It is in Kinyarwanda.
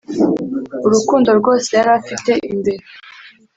urukundo rwose yari afite imbere.